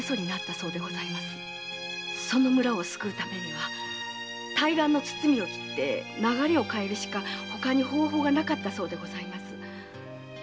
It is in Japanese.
その村を救うためには対岸の堤を切って流れを変えるしかほかに方法がなかったそうです。